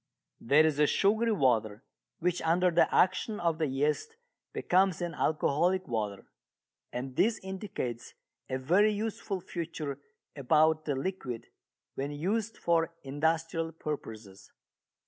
There is a sugary water which under the action of the yeast becomes an alcoholic water. And this indicates a very useful feature about the liquid when used for industrial purposes.